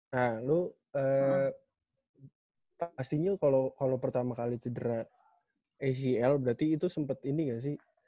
nah lu pastinya kalo pertama kali cedera acl berarti itu sempat ini gak sih